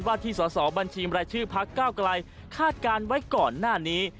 ว่าที่สาวบัญชีมรายชื่อภักดิ์เก้ากลายคาดการณ์ไว้ก่อนหน้านี้